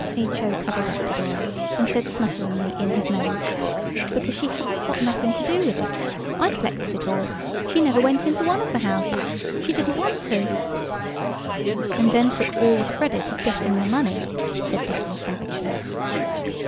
H.O. cuddled up to Dora and said snufflingly in his nose– "Because she hadn't got nothing to do with it. I collected it all. She never went into one of the houses. She didn't want to." "And then took all the credit of getting the money," said Dicky savagely.